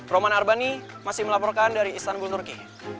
roman arbani masih melaporkan dari istanbul turki